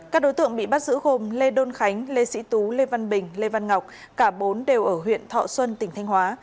các đối tượng bị bắt giữ gồm lê đôn khánh lê sĩ tú lê văn bình lê văn ngọc cả bốn đều ở huyện thọ xuân tỉnh thanh hóa